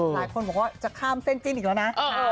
หลายคนบอกว่าจะข้ามเส้นจิ้นอีกแล้วนะ